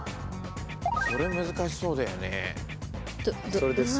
それ難しそうだよね。